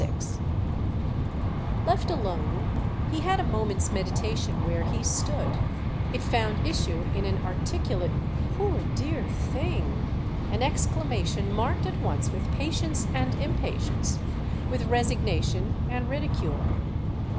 VI Left alone he had a moment's meditation where he stood; it found issue in an articulate "Poor dear thing!"—an exclamation marked at once with patience and impatience, with resignation and ridicule.